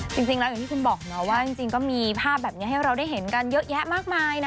จริงแล้วอย่างที่คุณบอกเนาะว่าจริงก็มีภาพแบบนี้ให้เราได้เห็นกันเยอะแยะมากมายนะ